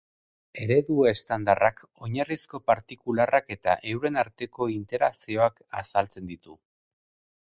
Eredu estandarrak oinarrizko partikularrak eta euren arteko interakzioak azaltzen ditu.